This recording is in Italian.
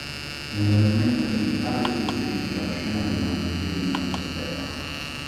Nella lunetta centrale si inserisce la scena del martirio di Santo Stefano.